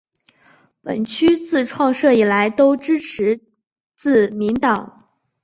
本区自创设以来都支持自民党。